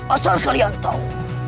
asal kalian tau